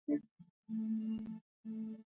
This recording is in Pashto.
د افغانستان په منظره کې یاقوت ښکاره ده.